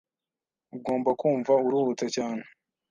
Ugomba kumva uruhutse cyane.